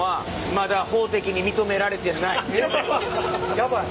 やばい。